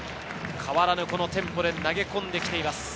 変わらぬテンポで投げ込んで来ています。